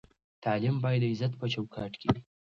تعلیم باید د عزت په چوکاټ کې وي.